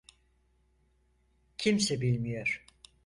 Kimse bilmiyor.